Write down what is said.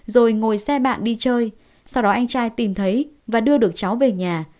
rồi ngồi xe bạn đi chơi sau đó anh trai tìm thấy và đưa được cháu về nhà